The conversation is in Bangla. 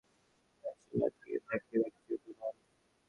ভদ্রমহিলা মানসিক ব্যাধিগ্রস্ত নাকি ব্যাধিগ্রস্ত নন।